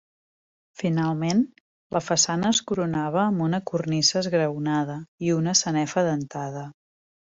Finalment la façana es coronava amb una cornisa esgraonada i una sanefa dentada.